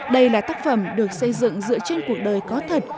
đây là tác phẩm được xây dựng dựa trên cuộc đời có thật